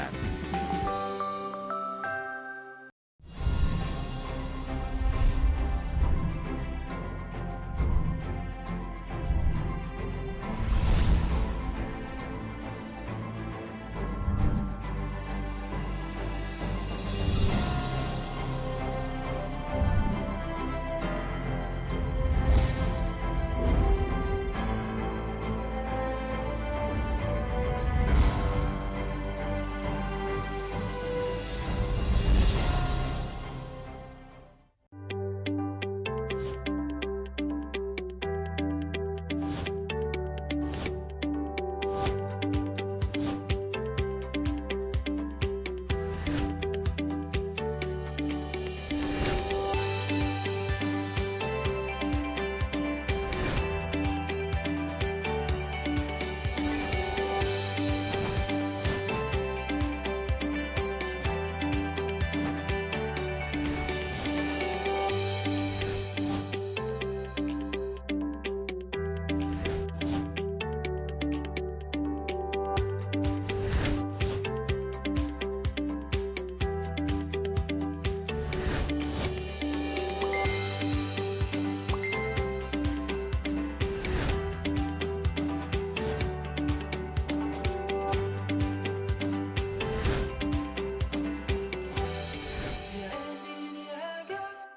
terima kasih banyak